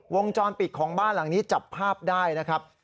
วงจรปิดของบ้านหลังนี้จับภาพได้นะครับ